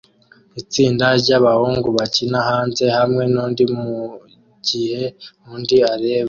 Itsinda ryabahungu bakina hanze hamwe nundi mugihe undi areba